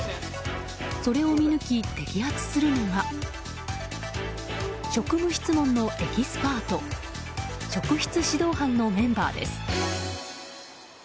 それを見抜き摘発するのが職務質問のエキスパート職質指導班のメンバーです。